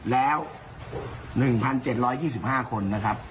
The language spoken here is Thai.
แล้ว๑๗๒๕คน